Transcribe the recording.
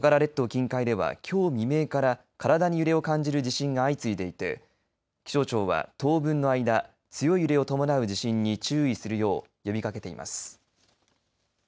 近海ではきょう未明から体に揺れを感じる地震が相次いでいて気象庁は当分の間強い揺れを伴う地震に注意するよう呼びかけています。